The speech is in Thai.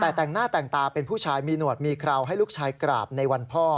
แต่แต่งหน้าแต่งตาเป็นผู้ชายมีหนวดมีคราวให้ลูกชายกราบในวันพ่อ